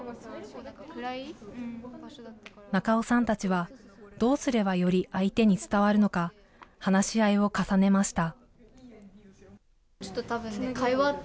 仲尾さんたちは、どうすればより相手に伝わるのか、話し合いを重ねました。